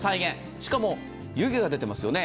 しかも湯気が出ていますよね。